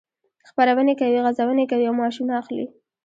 خپرونې کوي، غزونې کوي او معاشونه اخلي.